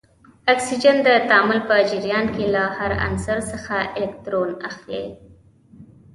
اکسیجن د تعامل په جریان کې له هر عنصر څخه الکترون اخلي.